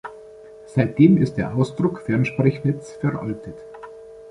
Seitdem ist der Ausdruck „Fernsprechnetz“ veraltet.